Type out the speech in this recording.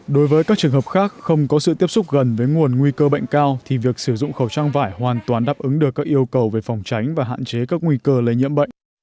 đối với các trường hợp khác không có sự tiếp xúc gần với nguồn nguy cơ bệnh cao thì việc sử dụng khẩu trang vải hoàn toàn đáp ứng được các yêu cầu về phòng tránh và hạn chế các nguy cơ lây nhiễm bệnh